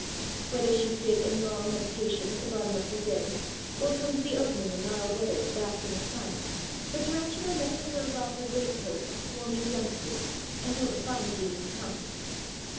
Whether she sit in long meditation at the bottom of her den, or come to the opening, in mild weather, to bask in the sun, the Tarantula never throws off her greatcoat of swarming youngsters until the fine season comes.